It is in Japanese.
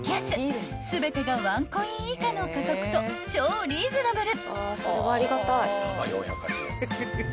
［全てがワンコイン以下の価格と超リーズナブル］